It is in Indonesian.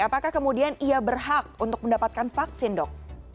apakah kemudian ia berhak untuk mendapatkan vaksin dok